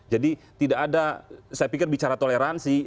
jadi tidak ada saya pikir bicara toleransi